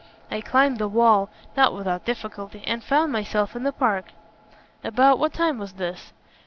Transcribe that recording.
I climbed the wall, not without difficulty, and found myself in the park " "About what time was this?"